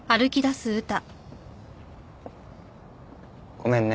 ごめんね。